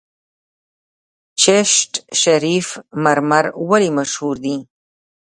چشت شریف مرمر ولې مشهور دي؟